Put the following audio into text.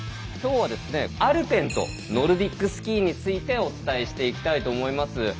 今日はアルペンとノルディックスキーについてお伝えしていきたいと思います。